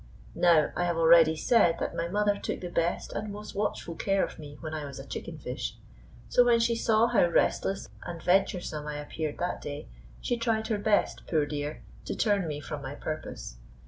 Now, I have already said that my mother took the best and most watchful care of me when I was a chicken fish. So when she saw how restless and venturesome I appeared that day, she tried her best, poor dear, to turn me from my purpose.